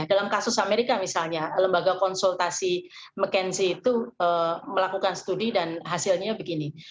dalam kasus amerika misalnya lembaga konsultasi mckenzi itu melakukan studi dan hasilnya begini